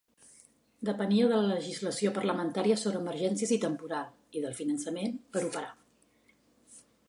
Depenia de la legislació parlamentària sobre emergències i temporal, i del finançament, per operar.